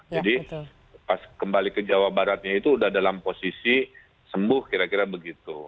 jadi pas kembali ke jawa baratnya itu sudah dalam posisi sembuh kira kira begitu